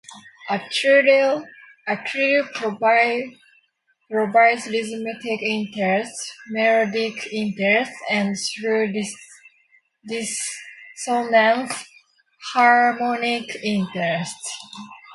A trill provides rhythmic interest, melodic interest, and-through dissonance-harmonic interest.